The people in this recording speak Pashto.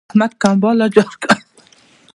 احمد کمبله جار کړه.